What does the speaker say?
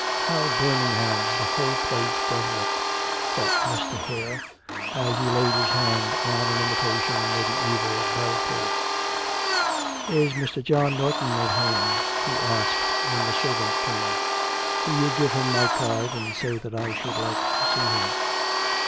'How Birmingham the whole place does look,' thought Mr. Hare, as he laid his hand on an imitation mediaeval bell pull. 'Is Mr. John Norton at home?' he asked when the servant came. 'Will you give him my card, and say that I should like to see him.'